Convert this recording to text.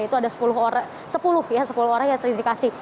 itu ada sepuluh orang yang terindikasi